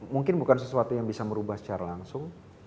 mungkin bukan sesuatu yang bisa merubah secara langsung